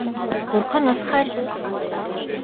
Ҡурҡыныс хәл!